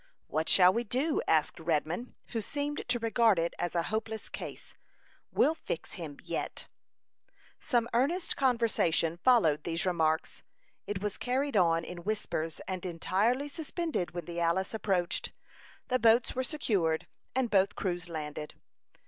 "What shall we do?" asked Redman, who seemed to regard it as a hopeless case. "We'll fix him yet." Some earnest conversation followed these remarks. It was carried on in whispers, and entirely suspended when the Alice approached. The boats were secured, and both crews landed.